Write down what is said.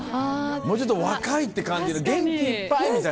もうちょっと若いって感じで元気いっぱいみたいな。